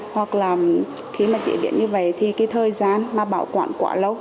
hoặc là khi mà chế biến như vậy thì cái thời gian mà bảo quản quá lâu